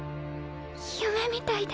夢みたいで。